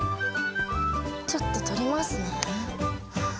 ちょっととりますね。